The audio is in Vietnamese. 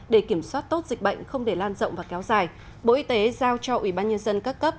để kiểm soát tốt dịch bệnh không để lan rộng và kéo dài bộ y tế giao cho ubnd các cấp